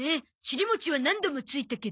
尻もちは何度もついたけど。